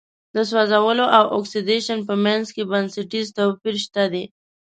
د سوځولو او اکسیدیشن په منځ کې بنسټیز توپیر شته دی.